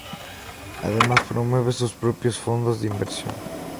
Además, promueve sus propios fondos de inversión.